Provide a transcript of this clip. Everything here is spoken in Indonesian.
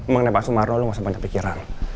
mengenai pak sumarno lo nggak sebanyak pikiran